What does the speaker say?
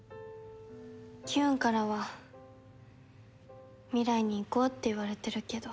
キューンからは未来に行こうって言われてるけど。